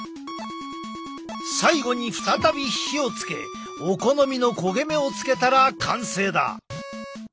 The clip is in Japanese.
最後に再び火をつけお好みの焦げ目をつけたら完成だ！